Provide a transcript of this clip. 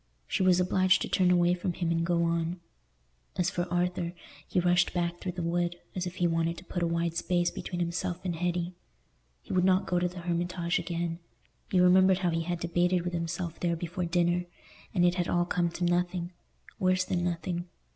She was obliged to turn away from him and go on. As for Arthur, he rushed back through the wood, as if he wanted to put a wide space between himself and Hetty. He would not go to the Hermitage again; he remembered how he had debated with himself there before dinner, and it had all come to nothing—worse than nothing.